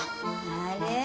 あれ？